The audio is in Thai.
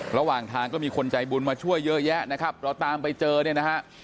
ระหว่างทางก็มีคนใจบุญมาช่วยเยอะแยะนะครับเราตามไปเจอเนี่ยนะฮะ